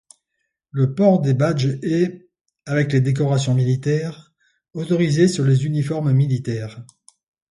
Le port des badges est, avec les décorations militaires, autorisés sur les uniformes militaires.